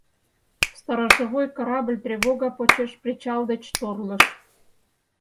Сторожевой корабль тревого почеш причал деч торлыш.